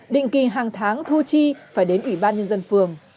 định kỳ hàng tháng thu chi phải đến ủy ban nhân dân phường